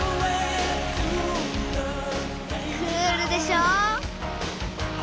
クールでしょ。